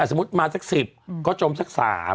สมมุติมาสัก๑๐ก็จมสัก๓